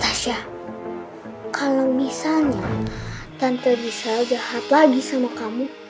tasya kalau misalnya tante gisa jahat lagi sama kamu